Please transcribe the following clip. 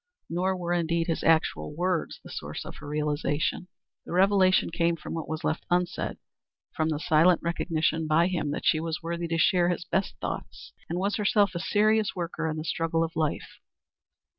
Nor were, indeed, his actual words the source of her realization. The revelation came from what was left unsaid from the silent recognition by him that she was worthy to share his best thoughts and was herself a serious worker in the struggle of life.